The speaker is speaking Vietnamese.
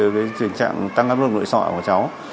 với tình trạng tăng gấp lượng nội sọ của cháu